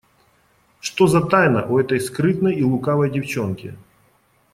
Что за тайна у этой скрытной и лукавой девчонки?